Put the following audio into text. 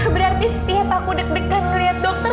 berarti setiap aku deg degan lihat dokter